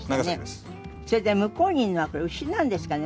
それで向こうにいるのはこれ牛なんですかね？